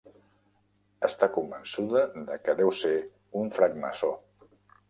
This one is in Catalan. Està convençuda de què deu ser un francmaçó.